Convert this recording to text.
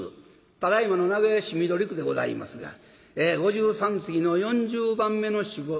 ただいまの名古屋市緑区でございますが五十三次の４０番目の宿場町。